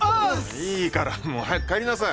いいからもう早く帰りなさい。